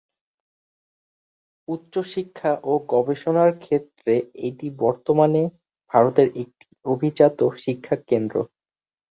উচ্চশিক্ষা ও গবেষণার ক্ষেত্রে এটি বর্তমানে ভারতের একটি অভিজাত শিক্ষাকেন্দ্র।